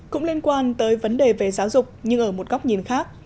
cũng liên quan tới vấn đề về giáo dục nhưng ở một góc nhìn khác